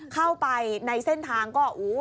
เข้าไปในเส้นทางก็